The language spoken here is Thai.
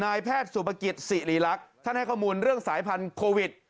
นายแพทย์สุภกิจสิริรักษ์ท่านให้ข้อมูลเรื่องสายพันธุ์โควิด